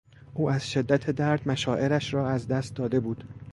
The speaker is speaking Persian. او از شدت درد مشاعرش را از دست داده بود.